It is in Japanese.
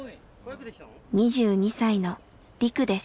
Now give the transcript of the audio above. ２２歳のリクです。